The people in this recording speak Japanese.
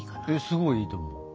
すごいいいと思う。